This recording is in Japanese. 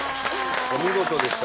お見事でしたね。